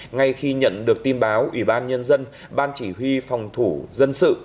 ngay khi nhận được tin báo ủy ban nhân dân ban chỉ huy phòng thủ dân sự